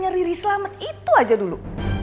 nyari rislamet itu aja dulu